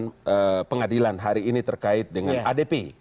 dan pengadilan hari ini terkait dengan adp